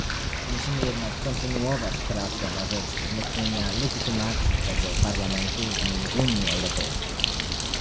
Musimy jednak kontynuować prace na rzecz wzmocnienia legitymacji tego Parlamentu i Unii Europejskiej